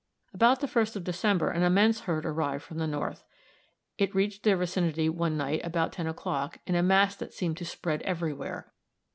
About the first of December an immense herd arrived from the north. It reached their vicinity one night, about 10 o'clock, in a mass that seemed to spread everywhere.